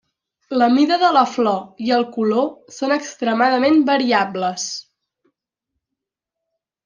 La mida de la flor i el color són extremadament variables.